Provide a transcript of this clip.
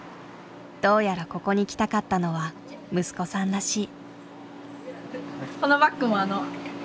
どうやらここに来たかったのは息子さんらしい。